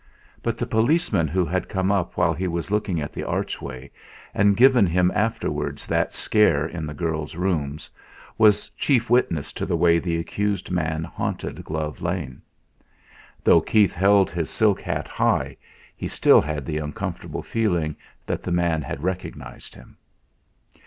But the policeman who had come up while he was looking at the archway, and given him afterwards that scare in the girl's rooms, was chief witness to the way the accused man haunted Glove Lane. Though Keith held his silk hat high, he still had the uncomfortable feeling that the man had recognised him.